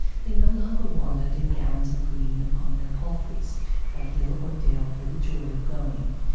They no longer wandered in gowns of green on their palfreys by hill or dale for the joy of going.